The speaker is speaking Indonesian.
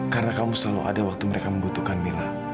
karena kamu selalu ada waktu mereka membutuhkan mila